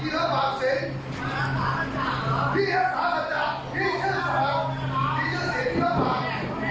ครับเริ่มขึ้นรถไปแล้ว